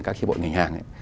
các cái hiệp hội nghề hàng